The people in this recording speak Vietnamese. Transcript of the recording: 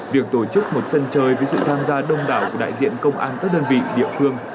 việc tổ chức một sân chơi với sự tham gia đông đảo của đại diện công an các đơn vị địa phương